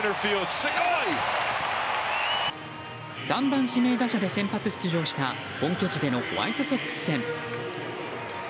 ３番指名打者で先発出場した本拠地でのホワイトソックス戦。